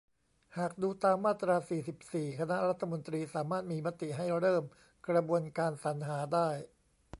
หากดูตามมาตรา สี่สิบสี่ คณะรัฐมนตรี สามารถมีมติให้เริ่มกระบวนการสรรหาได้